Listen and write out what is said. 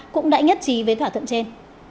cũng đã nhất trí với thỏa thuận trên